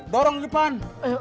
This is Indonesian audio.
dorong di depan